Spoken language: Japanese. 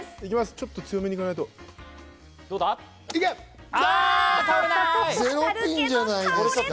ちょっと強めに行かないと。